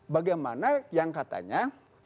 bagaimana yang katanya